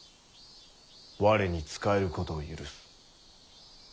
我に仕えることを許す。